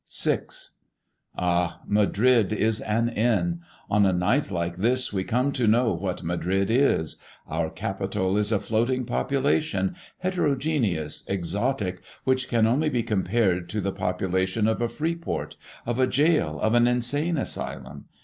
VI. Ah, Madrid is an inn. On a night like this we come to know what Madrid is. Our capital is a floating population, heterogeneous, exotic, which can only be compared to the population of a free port, of a jail, of an insane asylum.